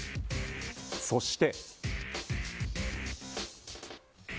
そして。